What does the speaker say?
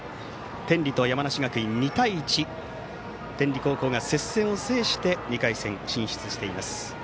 天理と山梨学院、２対１天理高校が接戦を制して２回戦進出をしています。